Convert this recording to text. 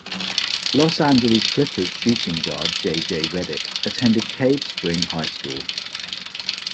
Los Angeles Clippers shooting guard J. J. Redick attended Cave Spring High School.